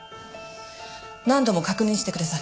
何度も確認してください。